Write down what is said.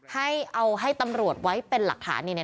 ให้เอาให้ตำรวจไว้เป็นหลักฐานเนี่ย